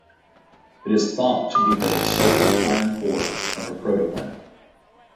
It is thought to be the exposed iron core of a protoplanet.